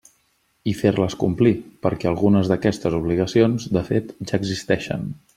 I fer-les complir, perquè algunes d'aquestes obligacions, de fet, ja existeixen.